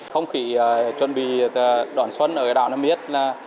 không khỉ chuẩn bị đón xuân ở đảo nam biết